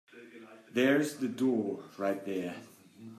There's the door right there.